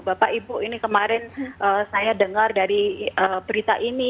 bapak ibu ini kemarin saya dengar dari berita ini